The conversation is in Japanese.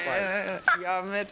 やめて！